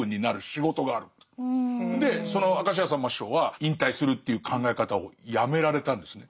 でその明石家さんま師匠は引退するっていう考え方をやめられたんですね。